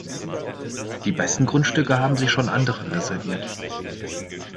Die besten Grundstücke haben sich schon andere reserviert.